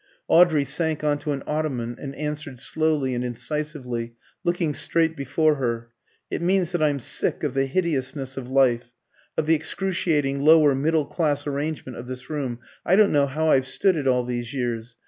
Audrey sank on to an ottoman, and answered slowly and incisively, looking straight before her "It means that I'm sick of the hideousness of life, of the excruciating lower middle class arrangement of this room. I don't know how I've stood it all these years.